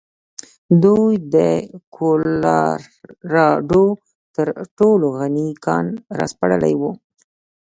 دوی د کولراډو تر ټولو غني کان راسپړلی و.